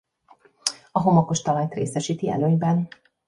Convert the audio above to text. A homokos talajt részesíti előnyben.